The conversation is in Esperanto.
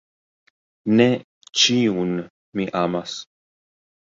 Ne ĉiun mi amas.